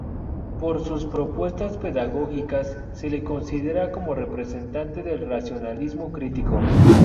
Por sus propuestas pedagógicas, se le considera como representante del racionalismo crítico.